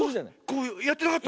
こうやってなかった？